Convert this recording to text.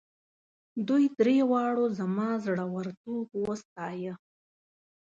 دوی دریو واړو زما زړه ورتوب وستایه.